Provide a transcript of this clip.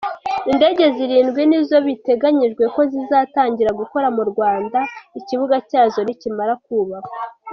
Indege zirindwi nizo biteganyijwe ko zizatangira gukora mu Rwanda ikibuga cyazo nikimara kubakwa.